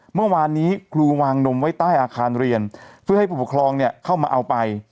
เมื่อวานนี้ครูวางนมไว้ใต้อาคารเรียนเพื่อให้ผู้ปกครองเนี่ยเข้ามาเอาไป